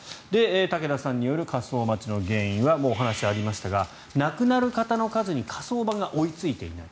武田さんによる火葬待ちの原因はもうお話がありましたが亡くなる方の数に火葬場が追いついていない。